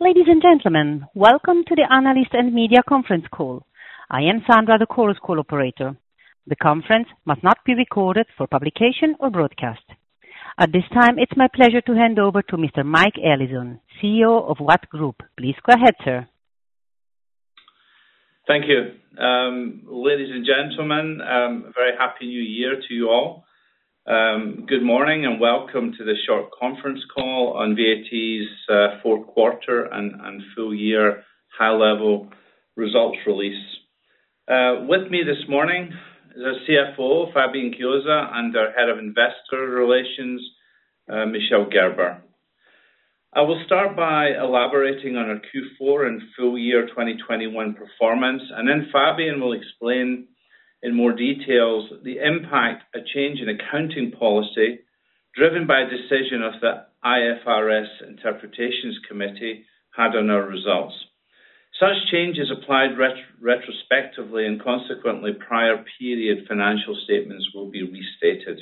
Ladies and gentlemen, welcome to the Analyst and Media Conference Call. I am Zandra, the Chorus Call operator. The conference must not be recorded for publication or broadcast. At this time, it's my pleasure to hand over to Mr. Mike Allison, CEO of VAT Group. Please go ahead, sir. Thank you. Ladies and gentlemen, a very happy new year to you all. Good morning and welcome to this short conference call on VAT's fourth quarter and full year high-level results release. With me this morning, the CFO, Fabian Chiozza, and our Head of Investor Relations, Michel Gerber. I will start by elaborating on our Q4 and full year 2021 performance, and then Fabian will explain in more details the impact a change in accounting policy, driven by a decision of the IFRS Interpretations Committee, had on our results. Such changes applied retrospectively and consequently prior period financial statements will be restated.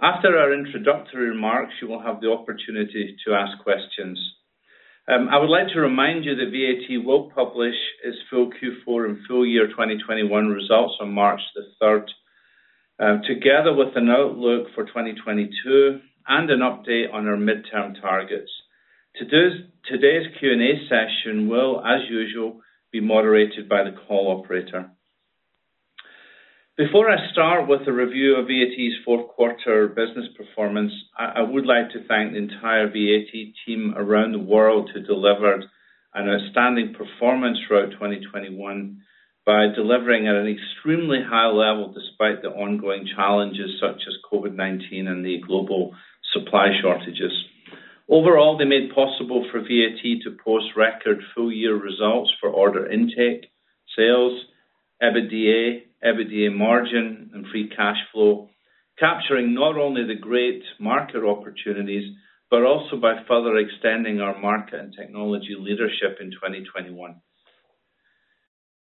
After our introductory remarks, you will have the opportunity to ask questions. I would like to remind you that VAT will publish its full Q4 and full year 2021 results on March 3, together with an outlook for 2022 and an update on our midterm targets. Today's Q&A session will, as usual, be moderated by the call operator. Before I start with the review of VAT's fourth quarter business performance, I would like to thank the entire VAT team around the world who delivered an outstanding performance throughout 2021 by delivering at an extremely high level despite the ongoing challenges such as COVID-19 and the global supply shortages. Overall, they made it possible for VAT to post record full year results for order intake, sales, EBITDA margin, and free cash flow, capturing not only the great market opportunities, but also by further extending our market and technology leadership in 2021.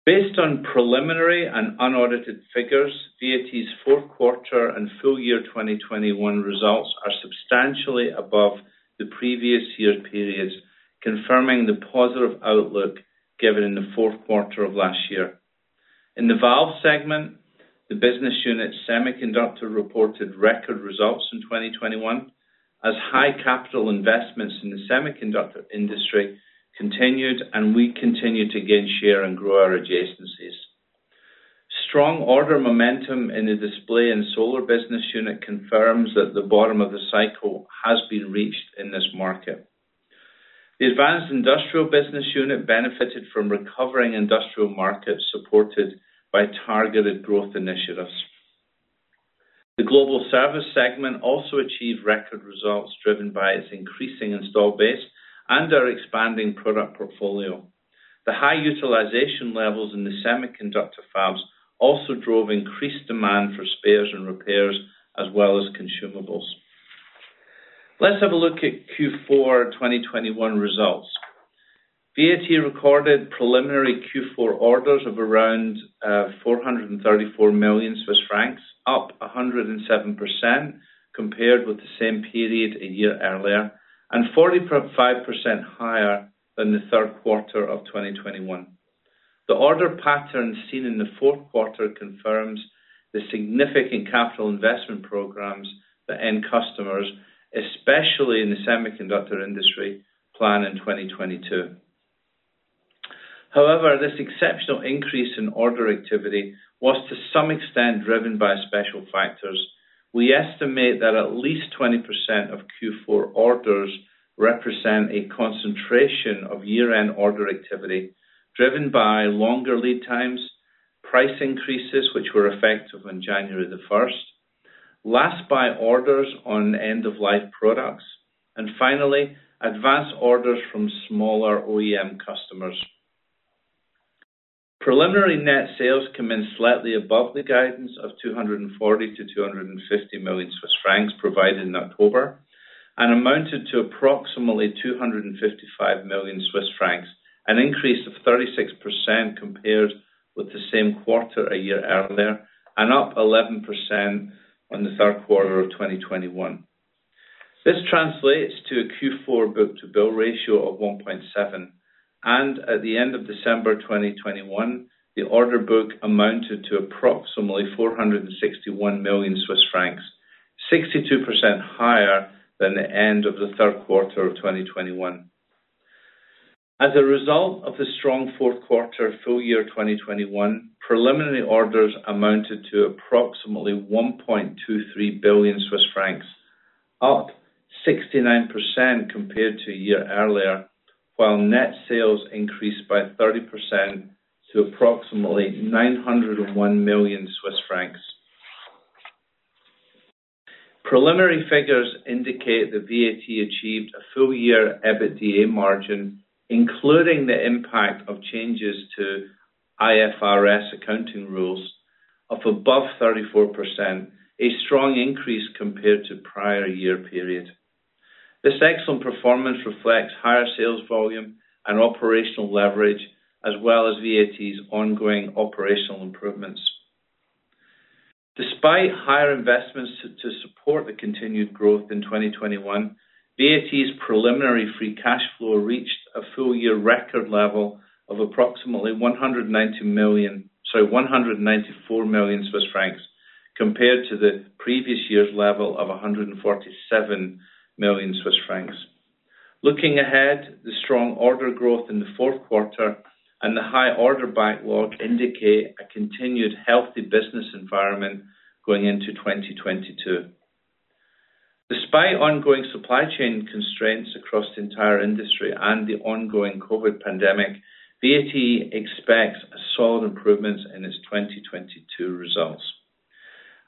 Based on preliminary and unaudited figures, VAT's fourth quarter and full year 2021 results are substantially above the previous year periods, confirming the positive outlook given in the fourth quarter of last year. In the valve segment, the Semiconductor business unit reported record results in 2021 as high capital investments in the semiconductor industry continued, and we continued to gain share and grow our adjacencies. Strong order momentum in the Display and Solar business unit confirms that the bottom of the cycle has been reached in this market. The Advanced Industrial business unit benefited from recovering industrial markets supported by targeted growth initiatives. The Global Service segment also achieved record results driven by its increasing install base and our expanding product portfolio. The high utilization levels in the semiconductor fabs also drove increased demand for spares and repairs as well as consumables. Let's have a look at Q4 2021 results. VAT recorded preliminary Q4 orders of around 434 million Swiss francs, up 107% compared with the same period a year earlier, and 45% higher than the third quarter of 2021. The order pattern seen in the fourth quarter confirms the significant capital investment programs the end customers, especially in the semiconductor industry, plan in 2022. However, this exceptional increase in order activity was to some extent driven by special factors. We estimate that at least 20% of Q4 orders represent a concentration of year-end order activity driven by longer lead times, price increases which were effective on January the first, last buy orders on end of life products, and finally, advance orders from smaller OEM customers. Preliminary net sales commenced slightly above the guidance of 240 million-250 million Swiss francs provided in October and amounted to approximately 255 million Swiss francs, an increase of 36% compared with the same quarter a year earlier, and up 11% on the third quarter of 2021. This translates to a Q4 book-to-bill ratio of 1.7, and at the end of December 2021, the order book amounted to approximately 461 million Swiss francs, 62% higher than the end of the third quarter of 2021. As a result of the strong fourth quarter full-year 2021, preliminary orders amounted to approximately 1.23 billion Swiss francs, up 69% compared to a year earlier, while net sales increased by 30% to approximately CHF 901 million. Preliminary figures indicate that VAT achieved a full-year EBITDA margin, including the impact of changes to IFRS accounting rules, of above 34%, a strong increase compared to prior-year period. This excellent performance reflects higher sales volume and operational leverage as well as VAT's ongoing operational improvements. Higher investments to support the continued growth in 2021, VAT's preliminary free cash flow reached a full-year record level of approximately 194 million Swiss francs compared to the previous year's level of 147 million Swiss francs. Looking ahead, the strong order growth in the fourth quarter and the high order backlog indicate a continued healthy business environment going into 2022. Despite ongoing supply chain constraints across the entire industry and the ongoing COVID pandemic, VAT expects a solid improvement in its 2022 results.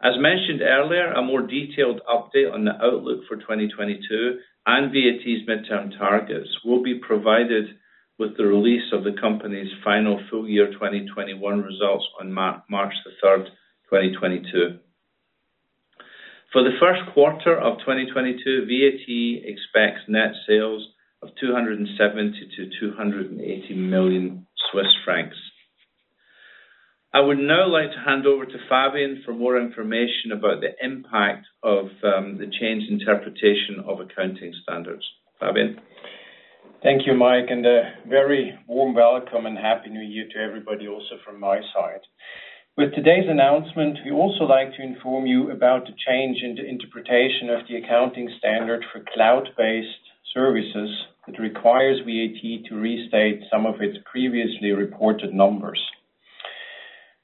As mentioned earlier, a more detailed update on the outlook for 2022 and VAT's midterm targets will be provided with the release of the company's final full year 2021 results on March 3, 2022. For the first quarter of 2022, VAT expects net sales of 270 million-280 million Swiss francs. I would now like to hand over to Fabian for more information about the impact of the change in interpretation of accounting standards. Fabian. Thank you, Mike, and a very warm welcome and happy New Year to everybody also from my side. With today's announcement, we also like to inform you about the change in the interpretation of the accounting standard for cloud-based services that requires VAT to restate some of its previously reported numbers.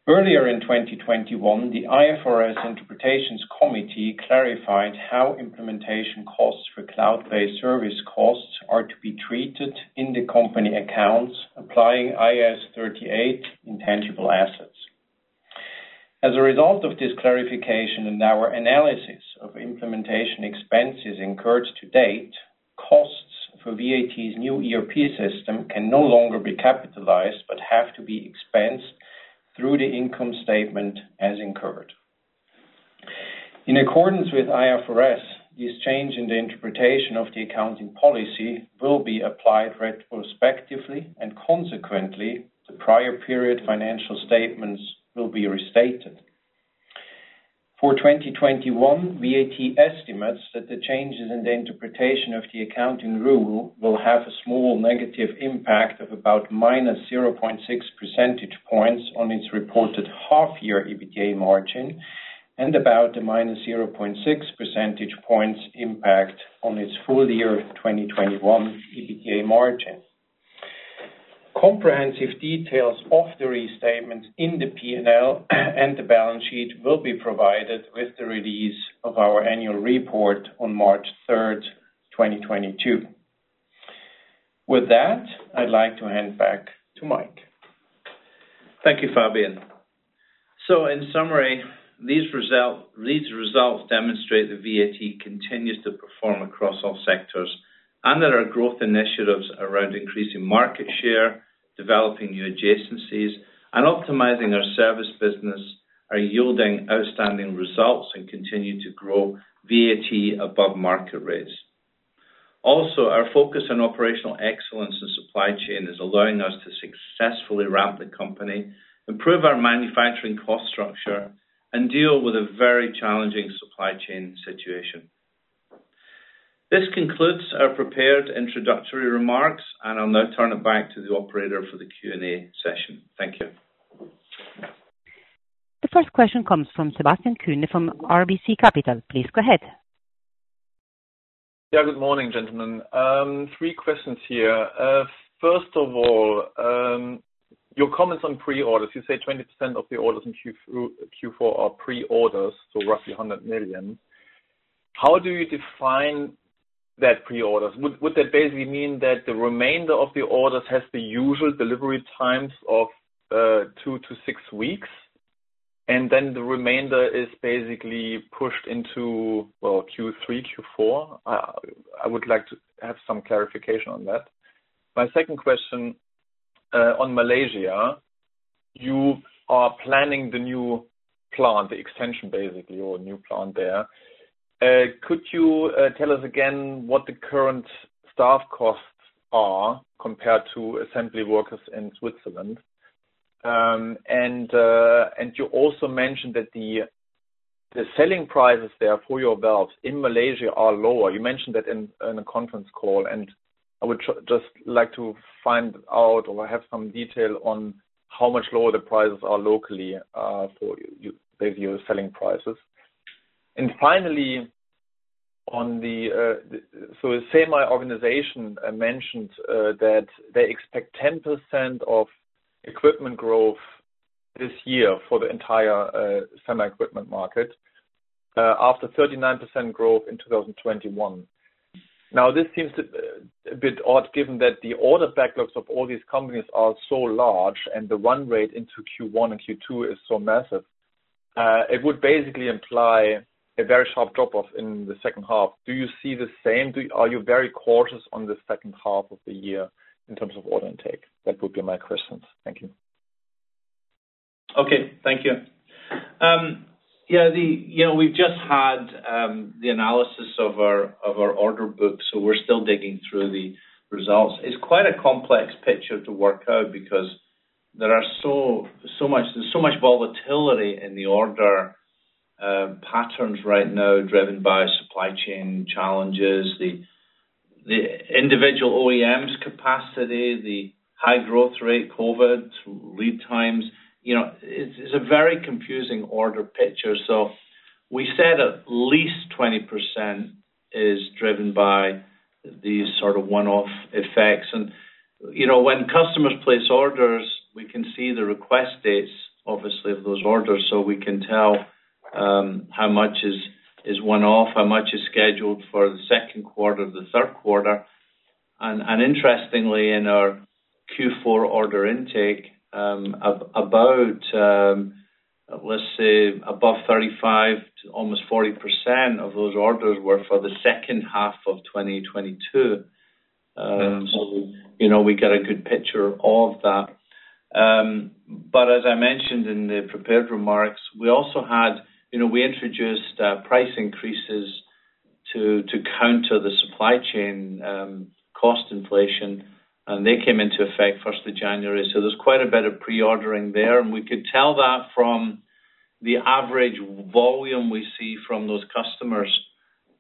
Earlier in 2021, the IFRS Interpretations Committee clarified how implementation costs for cloud-based service costs are to be treated in the company accounts applying IAS 38 intangible assets. As a result of this clarification in our analysis of implementation expenses incurred to date, costs for VAT's new ERP system can no longer be capitalized, but have to be expensed through the income statement as incurred. In accordance with IFRS, this change in the interpretation of the accounting policy will be applied retrospectively and consequently, the prior period financial statements will be restated. For 2021, VAT estimates that the changes in the interpretation of the accounting rule will have a small negative impact of about -0.6 percentage points on its reported half-year EBITDA margin and about a -0.6 percentage points impact on its full year of 2021 EBITDA margin. Comprehensive details of the restatement in the P&L and the balance sheet will be provided with the release of our annual report on March 3, 2022. With that, I'd like to hand back to Mike. Thank you, Fabian. In summary, these results demonstrate that VAT continues to perform across all sectors and that our growth initiatives around increasing market share, developing new adjacencies, and optimizing our service business are yielding outstanding results and continue to grow VAT above market rates. Also, our focus on operational excellence and supply chain is allowing us to successfully ramp the company, improve our manufacturing cost structure, and deal with a very challenging supply chain situation. This concludes our prepared introductory remarks, and I'll now turn it back to the operator for the Q&A session. Thank you. The first question comes from Sebastian Kuenne from RBC Capital. Please go ahead. Yeah, good morning, gentlemen. Three questions here. First of all, your comments on pre-orders, you say 20% of the orders in Q4 are pre-orders, so roughly 100 million. How do you define that pre-orders? Would that basically mean that the remainder of the orders has the usual delivery times of two-six weeks, and then the remainder is basically pushed into, well, Q3, Q4? I would like to have some clarification on that. My second question, on Malaysia, you are planning the new plant, the extension, basically, or new plant there. Could you tell us again what the current staff costs are compared to assembly workers in Switzerland? And you also mentioned that the selling prices there for your valves in Malaysia are lower. You mentioned that in a conference call, and I would just like to find out or have some detail on how much lower the prices are locally with your selling prices. Finally, on the SEMI organization mentioned that they expect 10% of equipment growth this year for the entire SEMI equipment market after 39% growth in 2021. Now, this seems a bit odd given that the order backlogs of all these companies are so large and the run rate into Q1 and Q2 is so massive. It would basically imply a very sharp drop-off in the second half. Do you see the same? Are you very cautious on the second half of the year in terms of order intake? That would be my questions. Thank you. Okay. Thank you. Yeah, you know, we've just had the analysis of our order book, so we're still digging through the results. It's quite a complex picture to work out because there is so much volatility in the order patterns right now driven by supply chain challenges, the individual OEM's capacity, the high growth rate, COVID, lead times. You know, it's a very confusing order picture. We said at least 20% is driven by these sort of one-off effects. You know, when customers place orders, we can see the request dates, obviously, of those orders, so we can tell how much is one-off, how much is scheduled for the second quarter, the third quarter. Interestingly, in our Q4 order intake, about, let's say above 35%-almost 40% of those orders were for the second half of 2022. You know, we get a good picture of that. As I mentioned in the prepared remarks, we also had you know we introduced price increases to counter the supply chain cost inflation, and they came into effect first of January. There's quite a bit of pre-ordering there, and we could tell that from the average volume we see from those customers,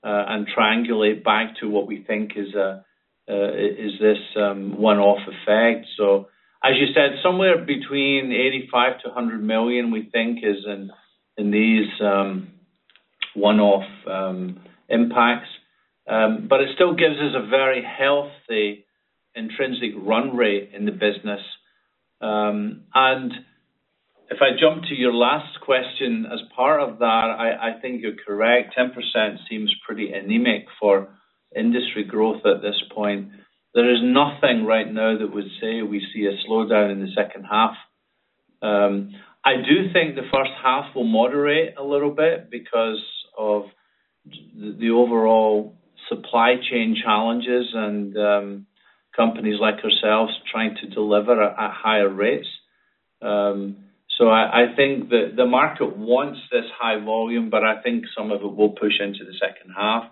and triangulate back to what we think is this one-off effect. As you said, somewhere between 85 million-100 million, we think is in these one-off impacts. It still gives us a very healthy intrinsic run rate in the business. If I jump to your last question as part of that, I think you're correct. 10% seems pretty anemic for industry growth at this point. There is nothing right now that would say we see a slowdown in the second half. I do think the first half will moderate a little bit because of the overall supply chain challenges and companies like ourselves trying to deliver at higher rates. I think the market wants this high volume, but I think some of it will push into the second half.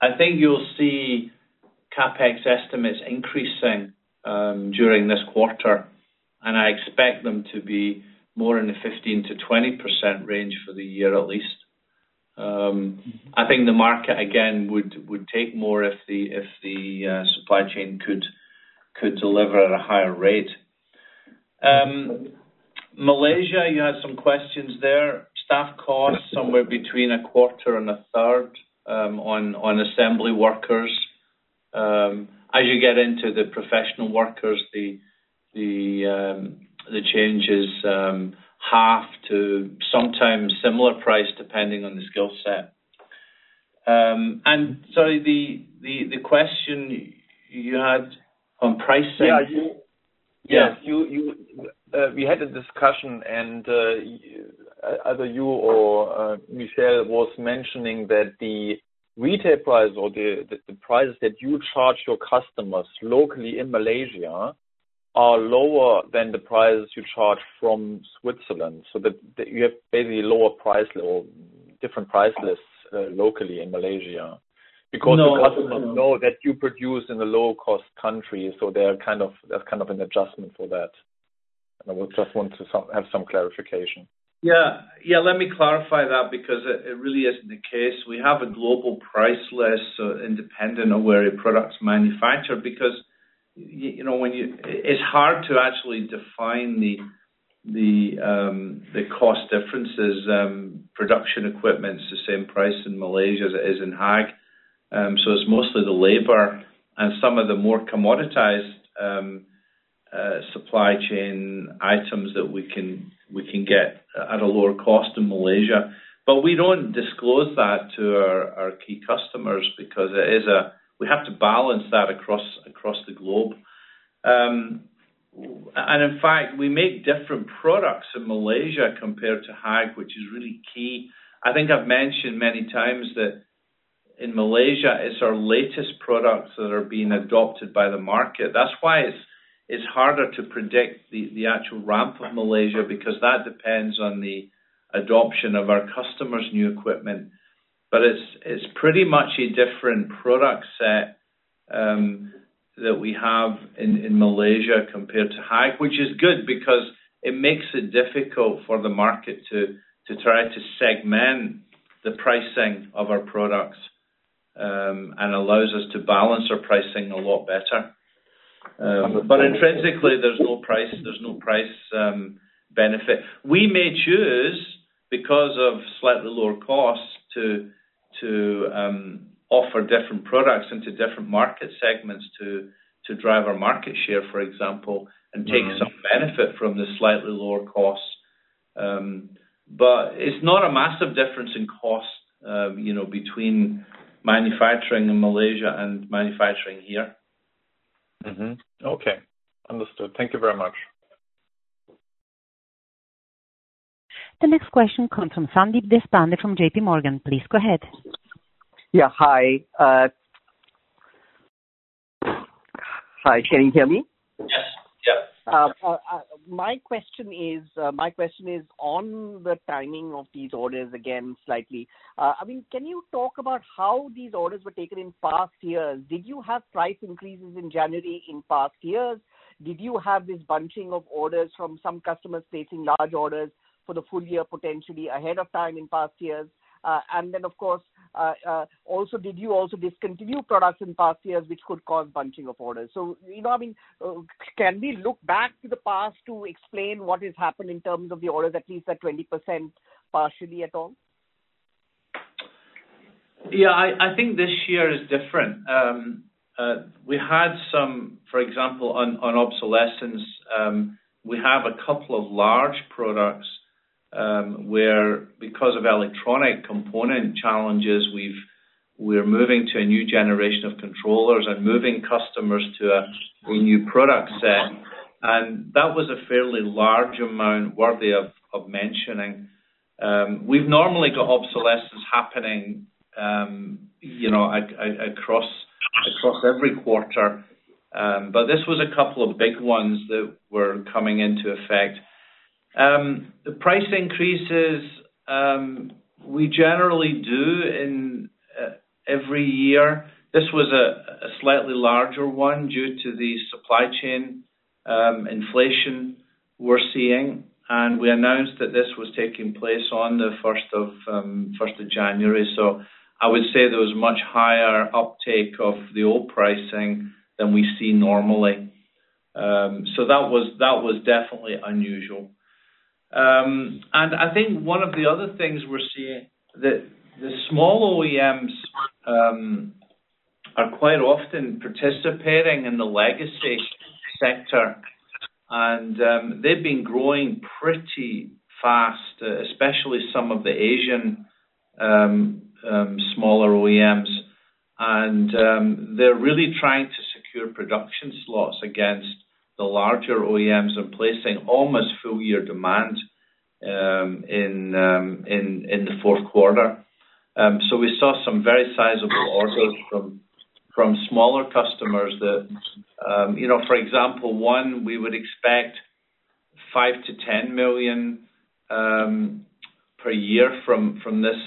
I think you'll see CapEx estimates increasing during this quarter, and I expect them to be more in the 15%-20% range for the year at least. I think the market, again, would take more if the supply chain could deliver at a higher rate. Malaysia, you had some questions there. Staff costs somewhere between a quarter and a third on assembly workers. As you get into the professional workers, the change is half to sometimes similar price depending on the skill set. Sorry, the question you had on pricing- Yeah. Yeah. We had a discussion and either you or Michel was mentioning that the retail price or the price that you charge your customers locally in Malaysia are lower than the price you charge from Switzerland. That you have basically lower price or different price lists locally in Malaysia. No, no. Because the customers know that you produce in a low cost country, so there's kind of an adjustment for that. I would just want to have some clarification. Yeah, let me clarify that because it really isn't the case. We have a global price list independent of where a product's manufactured because you know, it's hard to actually define the cost differences. Production equipment's the same price in Malaysia as it is in Haag. It's mostly the labor and some of the more commoditized supply chain items that we can get at a lower cost in Malaysia. We don't disclose that to our key customers because we have to balance that across the globe. In fact, we make different products in Malaysia compared to Haag, which is really key. I think I've mentioned many times that in Malaysia, it's our latest products that are being adopted by the market. That's why it's harder to predict the actual ramp of Malaysia because that depends on the adoption of our customers' new equipment. It's pretty much a different product set that we have in Malaysia compared to Haag, which is good because it makes it difficult for the market to try to segment the pricing of our products and allows us to balance our pricing a lot better. Intrinsically, there's no price benefit. We may choose, because of slightly lower costs to offer different products into different market segments to drive our market share, for example. Take some benefit from the slightly lower costs. But it's not a massive difference in cost, you know, between manufacturing in Malaysia and manufacturing here. Okay. Understood. Thank you very much. The next question comes from Sandeep Deshpande from J.P. Morgan. Please go ahead. Yeah. Hi. Hi, can you hear me? Yes. Yep. My question is on the timing of these orders again slightly. I mean, can you talk about how these orders were taken in past years? Did you have price increases in January in past years? Did you have this bunching of orders from some customers placing large orders for the full year, potentially ahead of time in past years? Of course, also, did you also discontinue products in past years which could cause bunching of orders? You know, I mean, can we look back to the past to explain what has happened in terms of the orders, at least at 20% partially at all? Yeah. I think this year is different. We had some, for example, on obsolescence, we have a couple of large products, where because of electronic component challenges, we're moving to a new generation of controllers and moving customers to a new product set. That was a fairly large amount worthy of mentioning. We've normally got obsolescence happening, you know, across every quarter. This was a couple of big ones that were coming into effect. The price increases, we generally do in every year. This was a slightly larger one due to the supply chain, inflation we're seeing, and we announced that this was taking place on the first of January. I would say there was much higher uptake of the old pricing than we see normally. That was definitely unusual. I think one of the other things we're seeing that the small OEMs are quite often participating in the legacy sector and they've been growing pretty fast, especially some of the Asian smaller OEMs. They're really trying to secure production slots against the larger OEMs and placing almost full year demand in the fourth quarter. We saw some very sizable orders from smaller customers that, you know, for example, one we would expect 5 million-10 million per year from this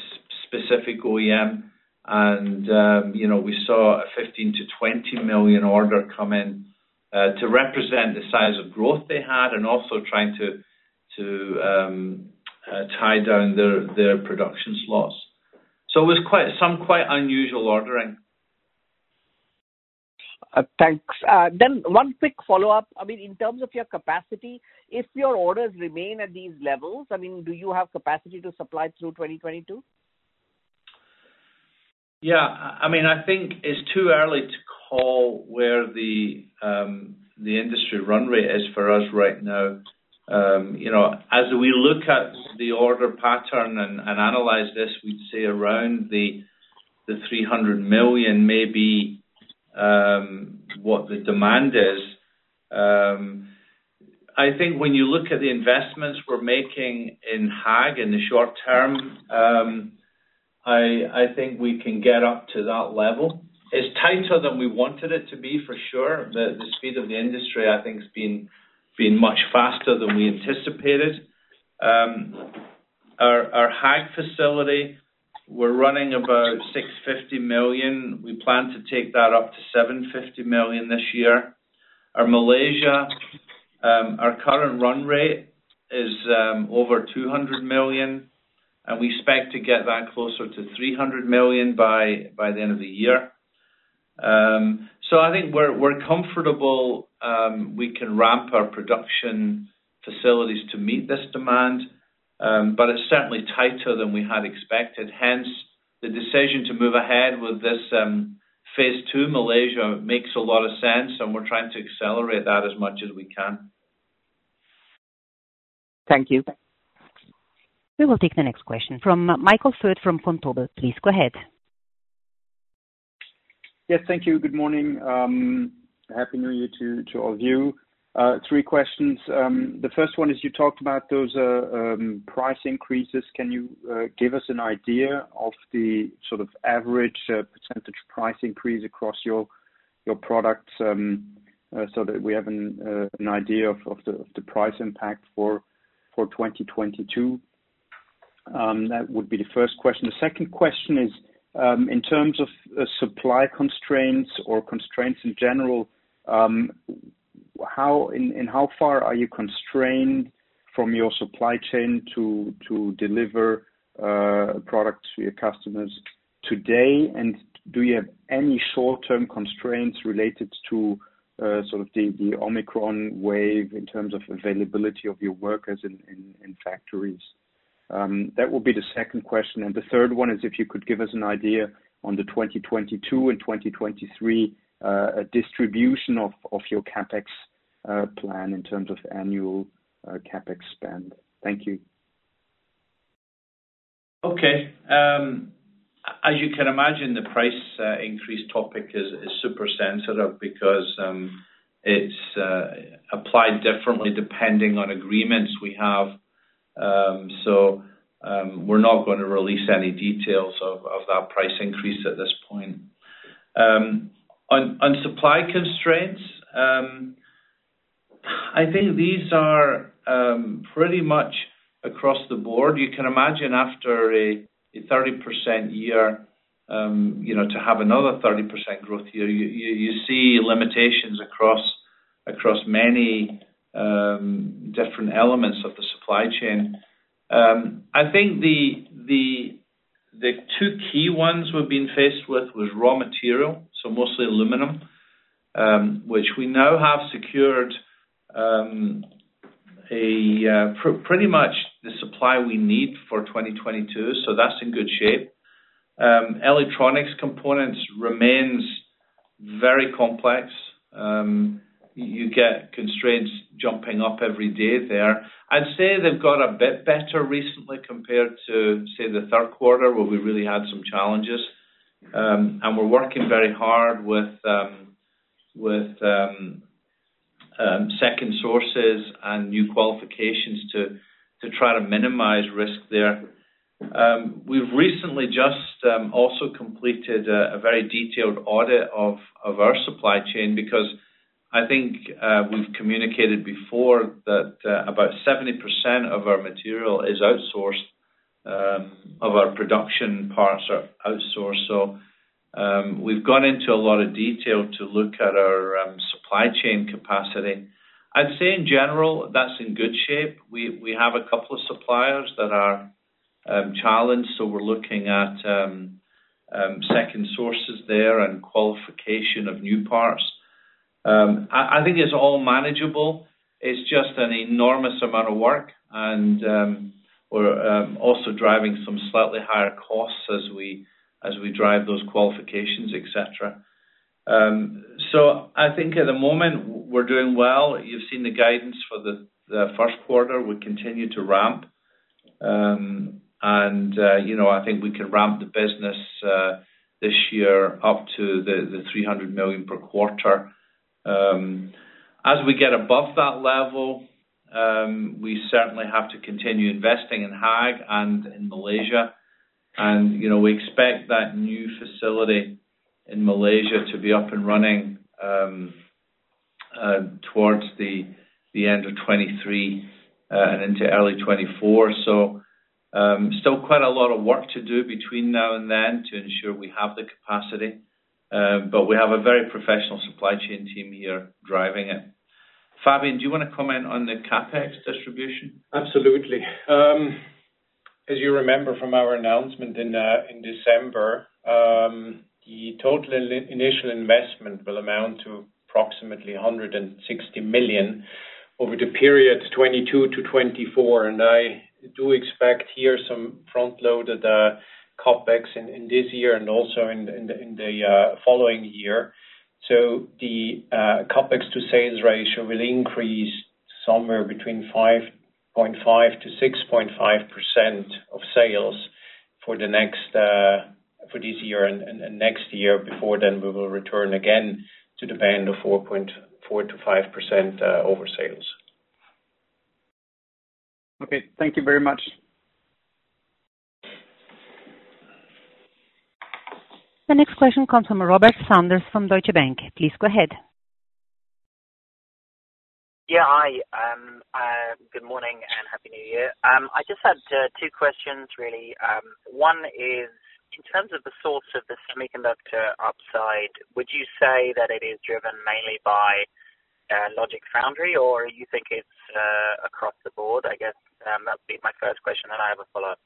specific OEM and, you know, we saw a 15 million-20 million order come in to represent the size of growth they had and also trying to tie down their production slots. It was quite some unusual ordering. Thanks. One quick follow-up. I mean, in terms of your capacity, if your orders remain at these levels, I mean, do you have capacity to supply through 2022? Yeah. I mean, I think it's too early to call where the industry run rate is for us right now. You know, as we look at the order pattern and analyze this, we'd say around the 300 million may be what the demand is. I think when you look at the investments we're making in Haag in the short term, I think we can get up to that level. It's tighter than we wanted it to be for sure. The speed of the industry I think has been much faster than we anticipated. Our Haag facility, we're running about 650 million. We plan to take that up to 750 million this year. Our Malaysia, our current run rate is over 200 million, and we expect to get that closer to 300 million by the end of the year. I think we're comfortable we can ramp our production facilities to meet this demand. It's certainly tighter than we had expected. Hence, the decision to move ahead with this phase two Malaysia makes a lot of sense, and we're trying to accelerate that as much as we can. Thank you. We will take the next question from Michael Foeth from Vontobel. Please go ahead. Yes, thank you. Good morning. Happy New Year to all of you. Three questions. The first one is you talked about those price increases. Can you give us an idea of the sort of average percentage price increase across your products, so that we have an idea of the price impact for 2022? That would be the first question. The second question is, in terms of supply constraints or constraints in general, how and how far are you constrained from your supply chain to deliver products to your customers today? Do you have any short-term constraints related to sort of the Omicron wave in terms of availability of your workers in factories? That would be the second question. The third one is if you could give us an idea on the 2022 and 2023 distribution of your CapEx plan in terms of annual CapEx spend. Thank you. Okay. As you can imagine, the price increase topic is super sensitive because it's applied differently depending on agreements we have, so we're not gonna release any details of that price increase at this point. On supply constraints, I think these are pretty much across the board. You can imagine after a 30% year, you know, to have another 30% growth year, you see limitations across many different elements of the supply chain. I think the two key ones we've been faced with was raw material, so mostly aluminum, which we now have secured pretty much the supply we need for 2022, so that's in good shape. Electronics components remains very complex. You get constraints jumping up every day there. I'd say they've got a bit better recently compared to, say, the third quarter, where we really had some challenges. We're working very hard with second sources and new qualifications to try to minimize risk there. We've recently just also completed a very detailed audit of our supply chain because I think we've communicated before that about 70% of our production parts are outsourced. We've gone into a lot of detail to look at our supply chain capacity. I'd say in general, that's in good shape. We have a couple of suppliers that are challenged, so we're looking at second sources there and qualification of new parts. I think it's all manageable. It's just an enormous amount of work and we're also driving some slightly higher costs as we drive those qualifications, et cetera. I think at the moment we're doing well. You've seen the guidance for the first quarter. We continue to ramp. You know, I think we can ramp the business this year up to the 300 million per quarter. As we get above that level, we certainly have to continue investing in Haag and in Malaysia. You know, we expect that new facility in Malaysia to be up and running towards the end of 2023 and into early 2024. Still quite a lot of work to do between now and then to ensure we have the capacity. We have a very professional supply chain team here driving it. Fabian, do you wanna comment on the CapEx distribution? Absolutely. As you remember from our announcement in December, the total initial investment will amount to approximately 160 million over the period 2022-2024. I do expect here some front load of the CapEx in this year and also in the following year. The CapEx to sales ratio will increase somewhere between 5.5%-6.5% of sales for this year and next year. Before then we will return again to the band of 4.4%-5% over sales. Okay. Thank you very much. The next question comes from Robert Sanders from Deutsche Bank. Please go ahead. Yeah. Hi. Good morning and Happy New Year. I just had two questions really. One is, in terms of the source of the semiconductor upside, would you say that it is driven mainly by logic foundry, or you think it's across the board, I guess? That'd be my first question, then I have a follow-up.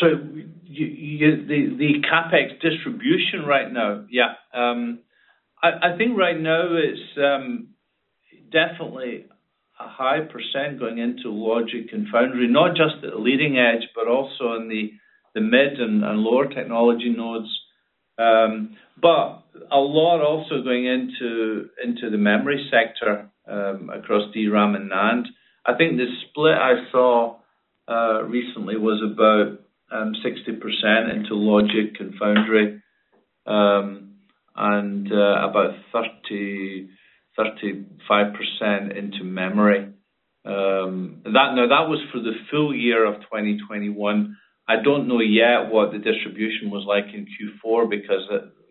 The CapEx distribution right now. I think right now it's definitely a high percent going into logic and foundry, not just at leading edge, but also in the mid and lower technology nodes. A lot also going into the memory sector across DRAM and NAND. I think the split I saw recently was about 60% into logic and foundry and about 35% into memory. That was for the full year of 2021. I don't know yet what the distribution was like in Q4 because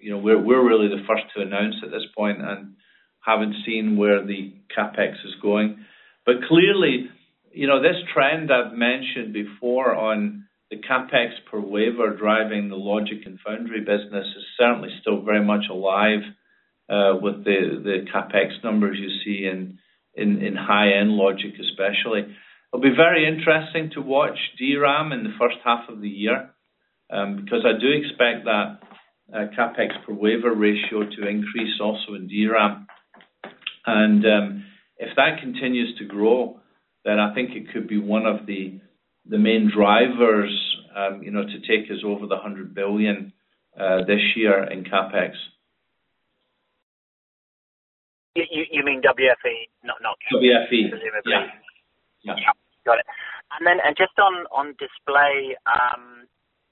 you know, we're really the first to announce at this point and haven't seen where the CapEx is going. Clearly, you know, this trend I've mentioned before on the CapEx per wafer driving the logic and foundry business is certainly still very much alive, with the CapEx numbers you see in high-end logic especially. It'll be very interesting to watch DRAM in the first half of the year, because I do expect that, CapEx per wafer ratio to increase also in DRAM. If that continues to grow, then I think it could be one of the main drivers, you know, to take us over the $100 billion this year in CapEx. You mean WFE not WFE. WFE. Yeah. Yeah. Just on display,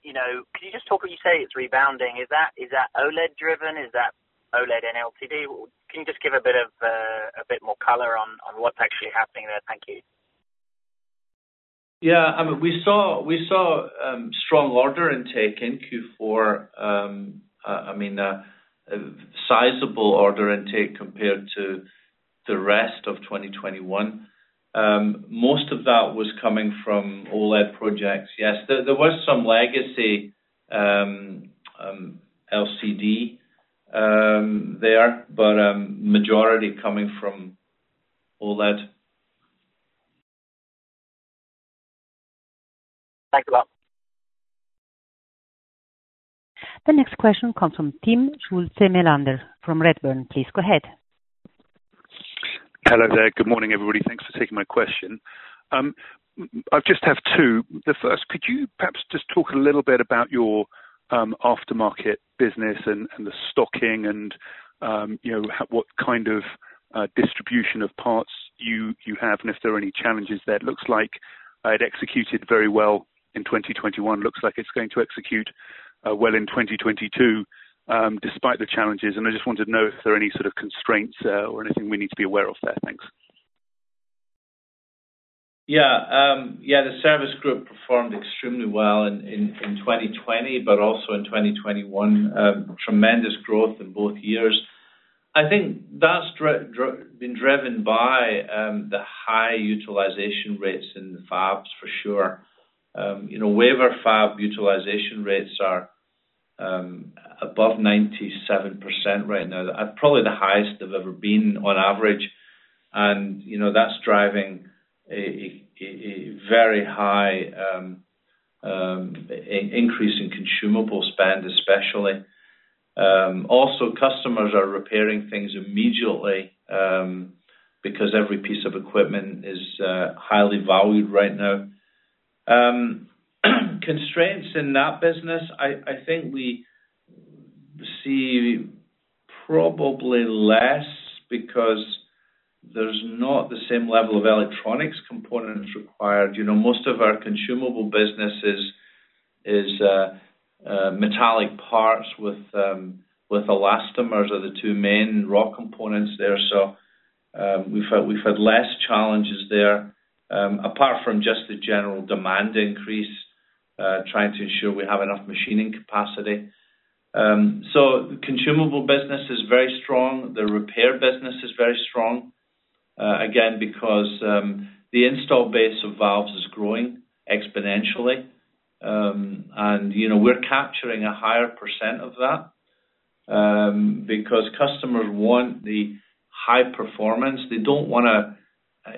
you know, could you just talk when you say it's rebounding, is that OLED driven? Is that OLED and LCD? Can you just give a bit more color on what's actually happening there? Thank you. Yeah. I mean, we saw strong order intake in Q4. I mean, sizable order intake compared to the rest of 2021. Most of that was coming from OLED projects. Yes. There was some legacy LCD there, but majority coming from OLED. Thanks a lot. The next question comes from Timm Schulze-Melander from Redburn Atlantic. Please go ahead. Hello there. Good morning, everybody. Thanks for taking my question. I just have two. The first, could you perhaps just talk a little bit about your aftermarket business and the stocking and you know what kind of distribution of parts you have, and if there are any challenges there. It looks like it executed very well in 2021. Looks like it's going to execute well in 2022 despite the challenges. I just wanted to know if there are any sort of constraints or anything we need to be aware of there. Thanks. Yeah. The service group performed extremely well in 2020, but also in 2021. Tremendous growth in both years. I think that's been driven by the high utilization rates in the fabs for sure. You know, wafer fab utilization rates are above 97% right now. At probably the highest they've ever been on average. You know, that's driving a very high increase in consumable spend, especially. Also customers are repairing things immediately, because every piece of equipment is highly valued right now. Constraints in that business, I think we see probably less because there's not the same level of electronics components required. You know, most of our consumable business is metallic parts with elastomers are the two main raw components there. We've had less challenges there, apart from just the general demand increase, trying to ensure we have enough machining capacity. Consumable business is very strong. The repair business is very strong, again, because the installed base of valves is growing exponentially. You know, we're capturing a higher percent of that, because customers want the high performance.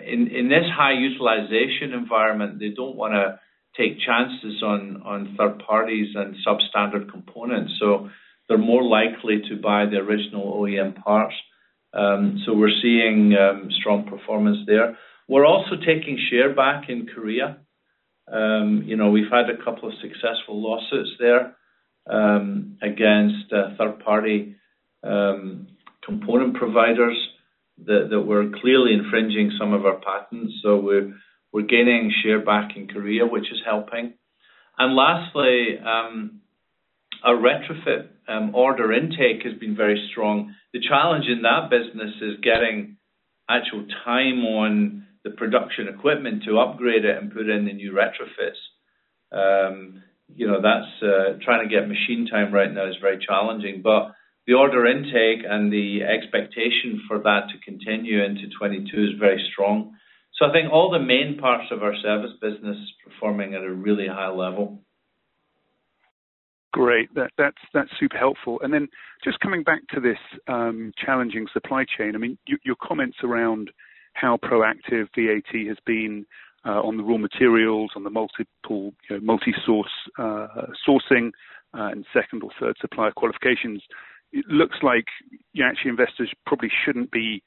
In this high utilization environment, they don't wanna take chances on third parties and substandard components, so they're more likely to buy the original OEM parts. We're seeing strong performance there. We're also taking share back in Korea. You know, we've had a couple of successful lawsuits there against third party component providers that were clearly infringing some of our patents. We're gaining share back in Korea, which is helping. Lastly, our retrofit order intake has been very strong. The challenge in that business is getting actual time on the production equipment to upgrade it and put in the new retrofits. You know, that's trying to get machine time right now is very challenging, but the order intake and the expectation for that to continue into 2022 is very strong. I think all the main parts of our service business is performing at a really high level. Great. That's super helpful. Just coming back to this challenging supply chain. I mean, your comments around how proactive VAT has been on the raw materials, on the multiple, you know, multisource sourcing, and second or third supplier qualifications, it looks like, yeah, actually investors probably shouldn't be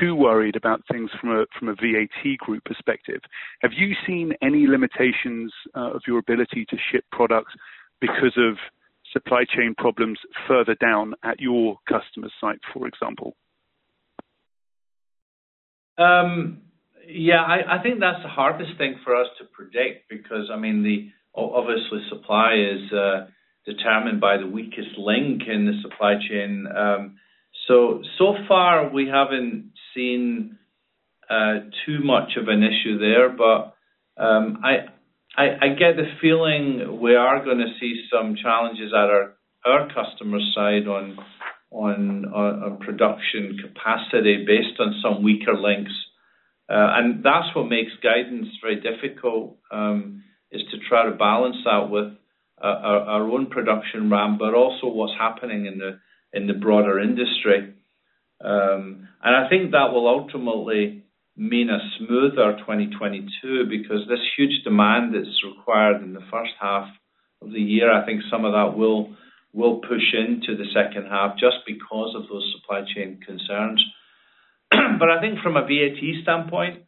too worried about things from a VAT Group perspective. Have you seen any limitations of your ability to ship products because of supply chain problems further down at your customer site, for example? Yeah, I think that's the hardest thing for us to predict because, I mean, obviously supply is determined by the weakest link in the supply chain. So far we haven't seen too much of an issue there. I get the feeling we are gonna see some challenges at our customer side on production capacity based on some weaker links. That's what makes guidance very difficult, is to try to balance that with our own production ramp, but also what's happening in the broader industry. I think that will ultimately mean a smoother 2022 because this huge demand that is required in the first half of the year, I think some of that will push into the second half just because of those supply chain concerns. I think from a VAT standpoint,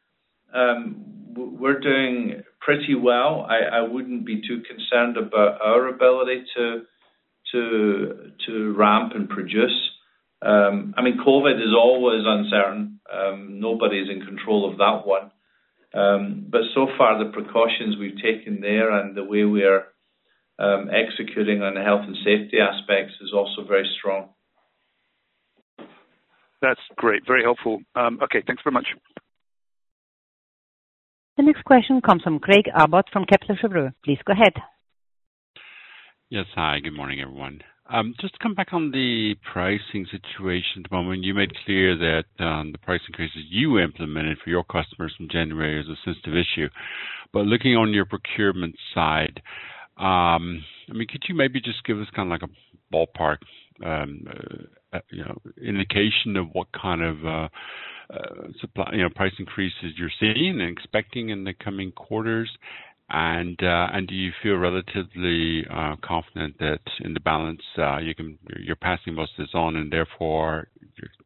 we're doing pretty well. I wouldn't be too concerned about our ability to ramp and produce. I mean, COVID is always uncertain. Nobody is in control of that one. So far, the precautions we've taken there and the way we are executing on the health and safety aspects is also very strong. That's great. Very helpful. Okay, thanks very much. The next question comes from Craig Abbott from Kepler Cheuvreux. Please go ahead. Yes. Hi, good morning, everyone. Just to come back on the pricing situation at the moment, you made it clear that the price increases you implemented for your customers from January is a sensitive issue. Looking on your procurement side, I mean, could you maybe just give us kind of like a ballpark, you know, indication of what kind of supply, you know, price increases you're seeing and expecting in the coming quarters? Do you feel relatively confident that in the balance you're passing most this on and therefore,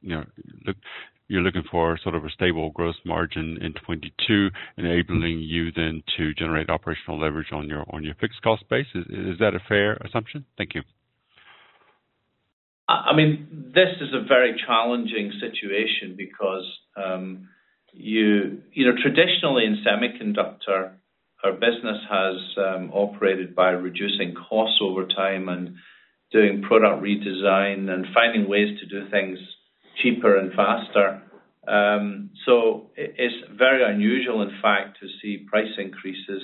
you know, you're looking for sort of a stable growth margin in 2022 enabling you then to generate operational leverage on your fixed cost base. Is that a fair assumption? Thank you. I mean, this is a very challenging situation because you know, traditionally in semiconductor, our business has operated by reducing costs over time and doing product redesign and finding ways to do things cheaper and faster. It's very unusual, in fact, to see price increases.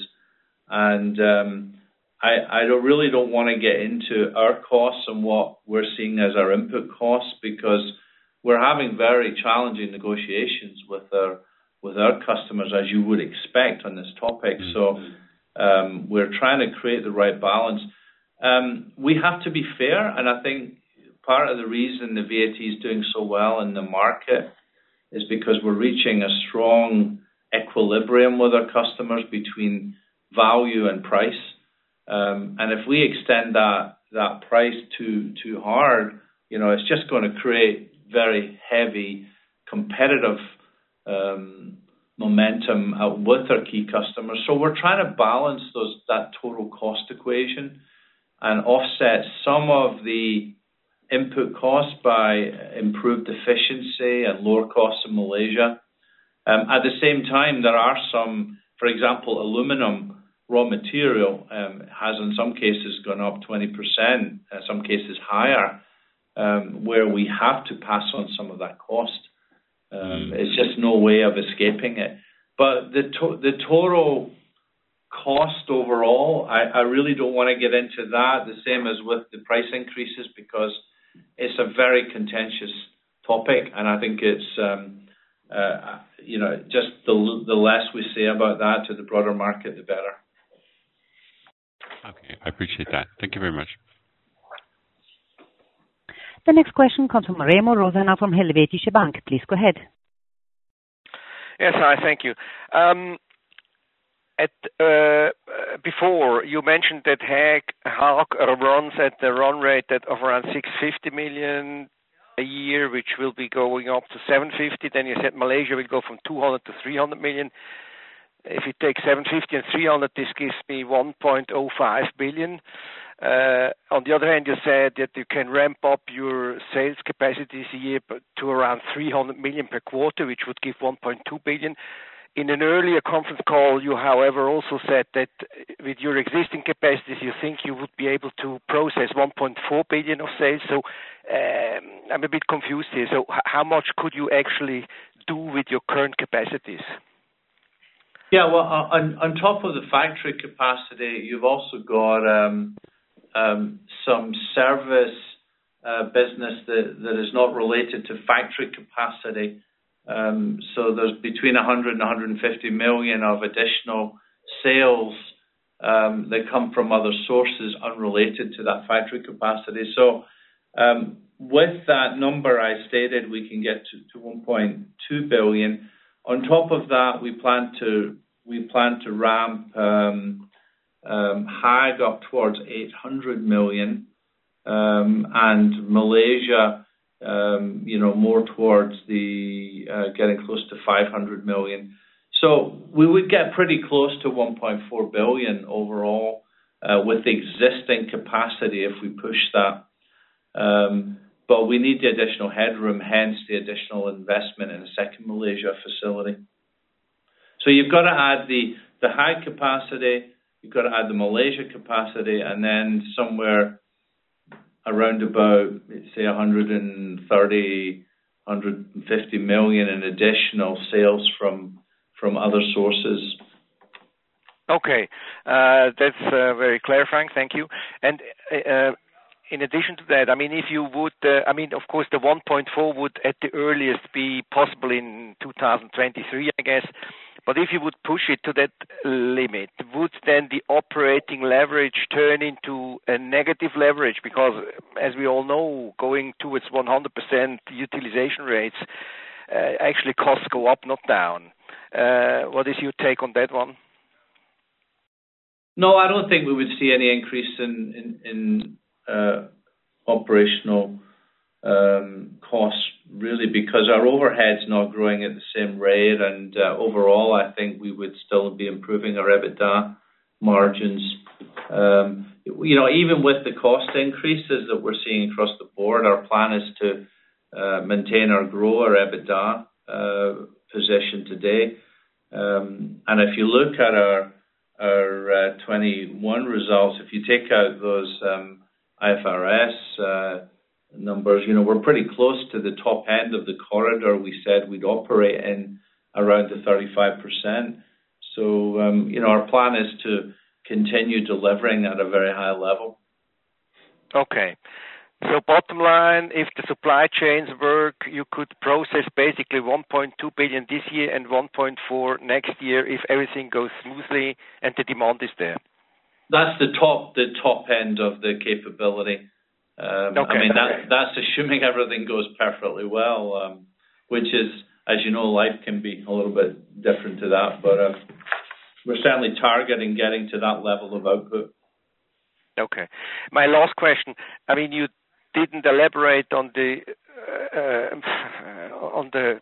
I don't really don't wanna get into our costs and what we're seeing as our input costs, because we're having very challenging negotiations with our customers, as you would expect on this topic. We're trying to create the right balance. We have to be fair, and I think part of the reason that VAT is doing so well in the market is because we're reaching a strong equilibrium with our customers between value and price. If we extend that price too hard, you know, it's just gonna create very heavy competition with our key customers. We're trying to balance that total cost equation and offset some of the input costs by improved efficiency and lower costs in Malaysia. At the same time, there are some, for example, aluminum raw material has in some cases gone up 20%, some cases higher, where we have to pass on some of that cost. It's just no way of escaping it. The total cost overall, I really don't wanna get into that, the same as with the price increases, because it's a very contentious topic, and I think it's, you know, just the less we say about that to the broader market, the better. Okay. I appreciate that. Thank you very much. The next question comes from Remo Rosenau from Helvetische Bank. Please go ahead. Yes. Hi, thank you. Before you mentioned that Haag runs at a run rate at around 650 million a year, which will be going up to 750 million. Then you said Malaysia will go from 200 million to 300 million. If you take 750 and 300, this gives me 1.05 billion. On the other hand, you said that you can ramp up your sales capacity this year to around 300 million per quarter, which would give 1.2 billion. In an earlier conference call, you, however, also said that with your existing capacities, you think you would be able to process 1.4 billion of sales. I'm a bit confused here. How much could you actually do with your current capacities? Yeah. Well, on top of the factory capacity, you've also got some service business that is not related to factory capacity. So there's between 100 million and 150 million of additional sales that come from other sources unrelated to that factory capacity. So with that number I stated, we can get to 1.2 billion. On top of that, we plan to ramp Haag up towards 800 million, and Malaysia, you know, more towards the getting close to 500 million. So we would get pretty close to 1.4 billion overall with the existing capacity if we push that. But we need the additional headroom, hence the additional investment in the second Malaysia facility. You've got to add the Haag capacity, you've got to add the Malaysia capacity, and then somewhere around about, let's say 130 million-150 million in additional sales from other sources. Okay. That's very clear, Mike. Thank you. In addition to that, I mean, if you would, I mean, of course, the 1.4 would at the earliest be possible in 2023, I guess. If you would push it to that limit, would then the operating leverage turn into a negative leverage? Because as we all know, going towards 100% utilization rates, actually costs go up, not down. What is your take on that one? No, I don't think we would see any increase in operational costs really because our overhead's not growing at the same rate. Overall, I think we would still be improving our EBITDA margins. You know, even with the cost increases that we're seeing across the board, our plan is to maintain or grow our EBITDA position today. If you look at our 2021 results, if you take out those IFRS numbers, you know, we're pretty close to the top end of the corridor we said we'd operate in around 35%. You know, our plan is to continue delivering at a very high level. Okay. Bottom line, if the supply chains work, you could process basically 1.2 billion this year and 1.4 next year if everything goes smoothly and the demand is there. That's the top end of the capability. Okay. I mean, that's assuming everything goes perfectly well, which is, as you know, life can be a little bit different to that. We're certainly targeting getting to that level of output. Okay. My last question. I mean, you didn't elaborate on the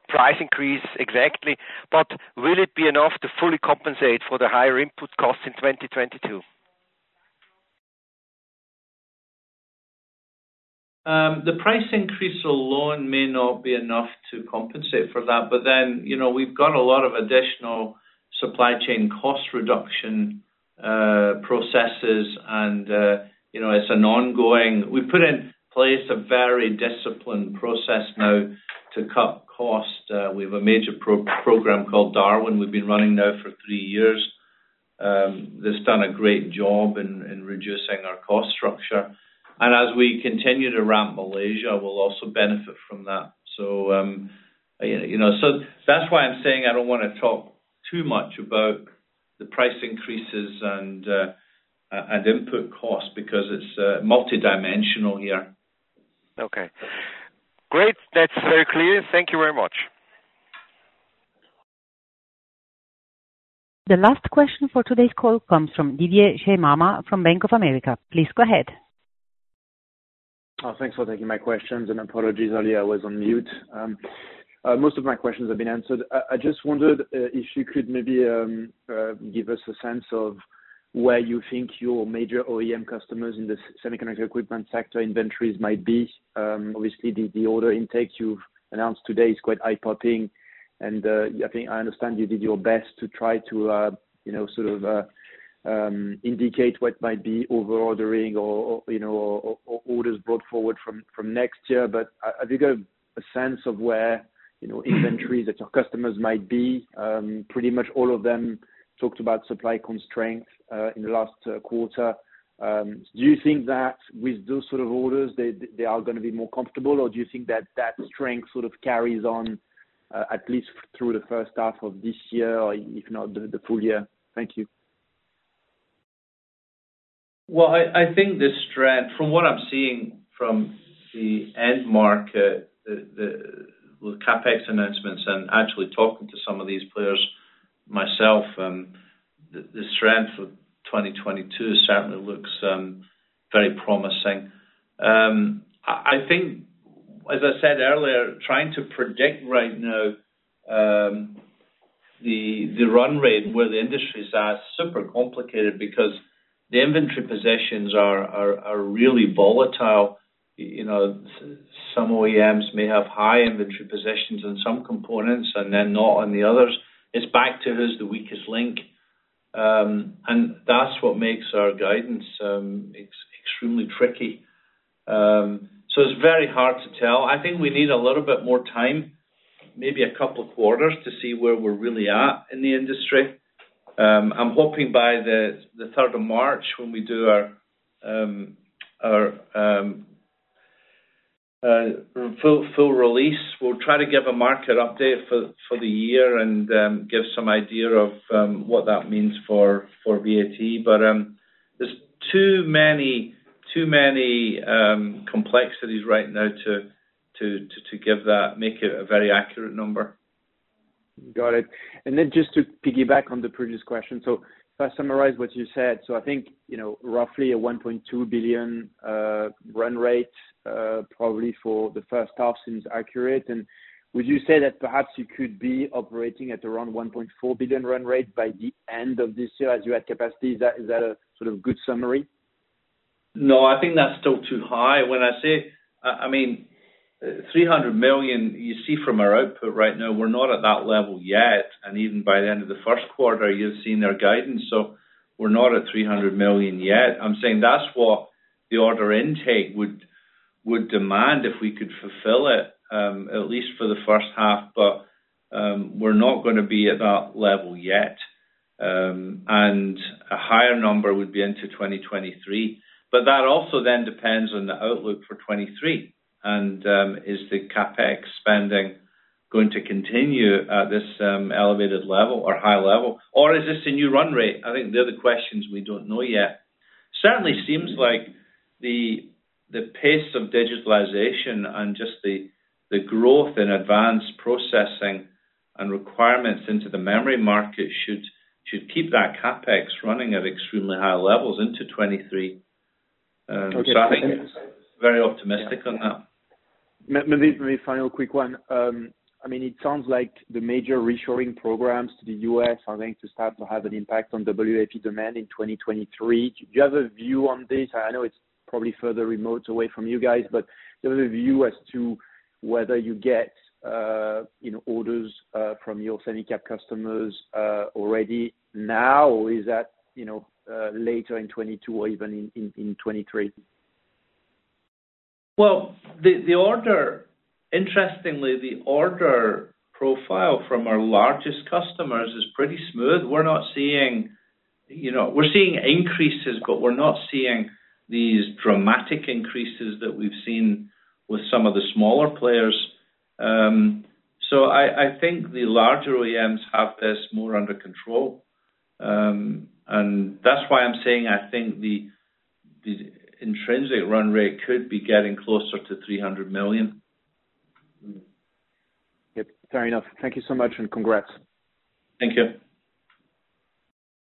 price increase exactly, but will it be enough to fully compensate for the higher input costs in 2022? The price increase alone may not be enough to compensate for that. You know, we've got a lot of additional supply chain cost reduction processes. We put in place a very disciplined process now to cut costs. We have a major program called Darwin we've been running now for three years. That's done a great job in reducing our cost structure. As we continue to ramp Malaysia, we'll also benefit from that. You know, so that's why I'm saying I don't wanna talk too much about the price increases and input costs because it's multidimensional here. Okay. Great. That's very clear. Thank you very much. The last question for today's call comes from Didier Scemama from Bank of America. Please go ahead. Oh, thanks for taking my questions. Apologies, earlier I was on mute. Most of my questions have been answered. I just wondered if you could maybe give us a sense of where you think your major OEM customers in the semiconductor equipment sector inventories might be. Obviously, the order intake you've announced today is quite eye-popping, and I think I understand you did your best to try to, you know, sort of, indicate what might be over-ordering or, you know, or orders brought forward from next year. But have you got a sense of where, you know, inventories at your customers might be? Pretty much all of them talked about supply constraints in the last quarter. Do you think that with those sort of orders, they are gonna be more comfortable, or do you think that strength sort of carries on, at least through the first half of this year or if not the full year? Thank you. Well, I think the strength from what I'm seeing from the end market, with CapEx announcements and actually talking to some of these players myself, the strength of 2022 certainly looks very promising. I think, as I said earlier, trying to predict right now, the run rate and where the industry's at is super complicated because the inventory positions are really volatile. You know, some OEMs may have high inventory positions in some components and then not on the others. It's back to who's the weakest link. That's what makes our guidance extremely tricky. It's very hard to tell. I think we need a little bit more time, maybe a couple of quarters, to see where we're really at in the industry. I'm hoping by the third of March, when we do our full release, we'll try to give a market update for the year and give some idea of what that means for VAT. There's too many complexities right now to give that make it a very accurate number. Got it. Then just to piggyback on the previous question. If I summarize what you said, I think, you know, roughly 1.2 billion run rate probably for the first half seems accurate. Would you say that perhaps you could be operating at around 1.4 billion run rate by the end of this year as you add capacity? Is that a sort of good summary? No, I think that's still too high. When I say I mean, 300 million, you see from our output right now, we're not at that level yet. Even by the end of the first quarter, you've seen our guidance, so we're not at 300 million yet. I'm saying that's what the order intake would demand if we could fulfill it at least for the first half. We're not gonna be at that level yet. A higher number would be into 2023. That also then depends on the outlook for 2023. Is the CapEx spending going to continue at this elevated level or high level, or is this a new run rate? I think they're the questions we don't know yet. Certainly seems like the pace of digitalization and just the growth in advanced processing and requirements into the memory market should keep that CapEx running at extremely high levels into 2023. Okay. I think it's very optimistic on that. Maybe final quick one. I mean, it sounds like the major reshoring programs to the U.S. are going to start to have an impact on WFE demand in 2023. Do you have a view on this? I know it's probably further removed away from you guys, but do you have a view as to whether you get orders from your semi capex customers already now, or is that later in 2022 or even in 2023? Well, interestingly, the order profile from our largest customers is pretty smooth. We're not seeing, you know, we're seeing increases, but we're not seeing these dramatic increases that we've seen with some of the smaller players. I think the larger OEMs have this more under control. That's why I'm saying I think the intrinsic run rate could be getting closer to 300 million. Yep. Fair enough. Thank you so much, and congrats. Thank you.